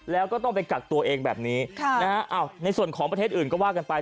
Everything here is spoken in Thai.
แล้วก็ต้องไปกักตัวเองแบบนี้ในส่วนของประเทศอื่นก็ว่ากันไป